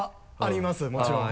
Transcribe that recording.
もちろん。